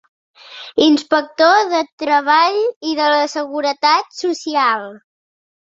Inspector de Treball i de la Seguretat Social.